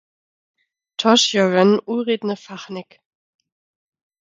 Toś jo wón wurědny fachnik.